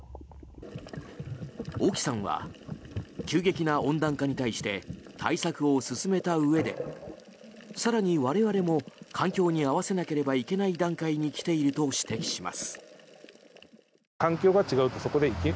興さんは、急激な温暖化に対して対策を進めたうえで更に我々も環境に合わせなければいけない段階に来ていると指摘します。